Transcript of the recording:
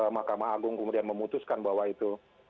mahkamah agung kemudian memutuskan bahwa itu